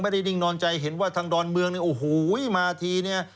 นิ่งนอนใจเห็นว่าทางดอนเมืองเนี่ยโอ้โหมาทีเนี่ย